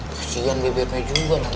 kasian bebeknya juga mak